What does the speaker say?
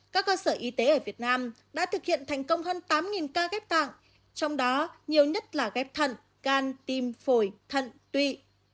các cơ sở y tế ở việt nam đã thực hiện thành công hơn tám ca ghép tạng trong đó nhiều nhất là ghép thận can tim phổi thận tụy